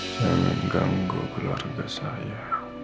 jangan ganggu keluarga saya